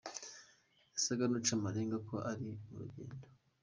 Yasaga n’uca amarenga ko ari mu rugendo.